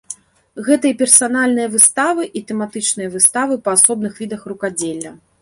Гэта і персанальныя выставы, і тэматычныя выставы па асобных відах рукадзелля.